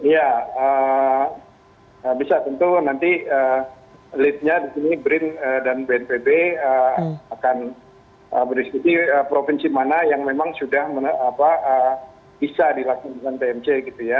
ya bisa tentu nanti lead nya di sini brin dan bnpb akan beristiti provinsi mana yang memang sudah bisa dilakukan dengan tnc